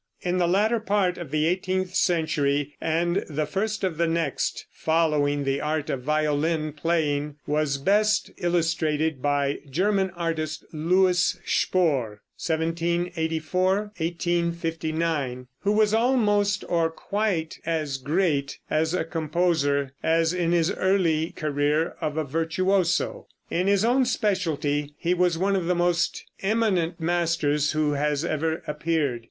In the latter part of the eighteenth century and the first of the next following the art of violin playing was best illustrated by the German artist, Louis Spohr (1784 1859), who was almost or quite as great as a composer, as in his early career of a virtuoso. In his own specialty he was one of the most eminent masters who has ever appeared.